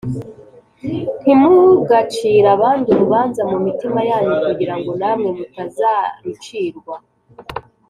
“ntimugacire abandi urubanza mu mitima yanyu, kugira ngo namwe mutazarucirwa